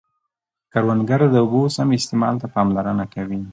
کروندګر د اوبو سم استعمال ته پاملرنه کوي